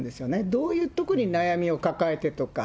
どういうところに悩みを抱えてとか。